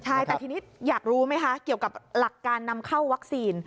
ใช่แต่ทีนี้อยากรู้ไหมคะเกี่ยวกับหลักการนำเข้าวัคซีน